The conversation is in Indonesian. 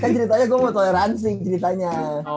kan ceritanya gue mau toleransi ceritanya